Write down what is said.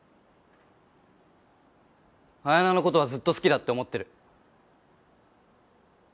彩菜のことはずっと好きだって思ってる！